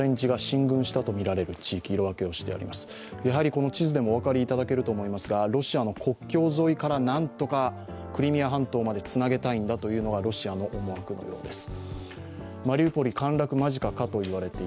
この地図でもお分かりいただけると思いますがロシアの国境沿いから何とかクリミア半島までつなげたいんだというのがロシアの思惑のようです。